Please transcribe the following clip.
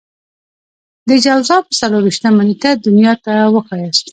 د جوزا پر څلور وېشتمه نېټه دنيا ته وښاياست.